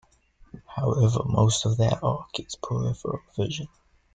However, most of that arc is peripheral vision.